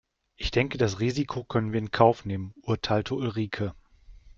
Ich denke das Risiko können wir in Kauf nehmen, urteilte Ulrike.